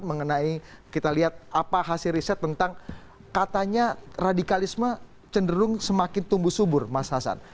mengenai kita lihat apa hasil riset tentang katanya radikalisme cenderung semakin tumbuh subur mas hasan